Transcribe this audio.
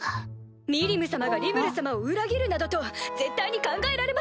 ミリム様がリムル様を裏切るなどと絶対に考えられません！